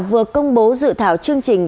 vừa công bố dự thảo chương trình